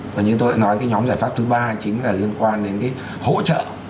và như tôi đã nói cái nhóm giải pháp thứ ba chính là liên quan đến cái hỗ trợ